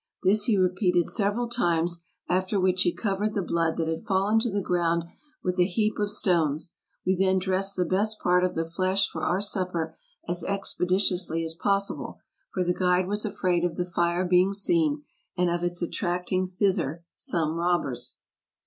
" This he repeated several times, after which he covered the blood that had fallen to the ground with a heap of stones ; we then dressed the best part of the flesh for our supper as expeditiously as possible, for the guide was afraid of the fire being seen, and of its attracting thither some robbers.